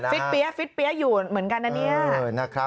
เปี๊ยะฟิตเปี๊ยะอยู่เหมือนกันนะเนี่ย